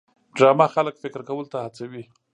ډرامه خلک فکر کولو ته هڅوي